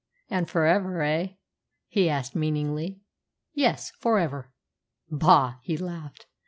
"And for ever, eh?" he asked meaningly. "Yes, for ever." "Bah!" he laughed.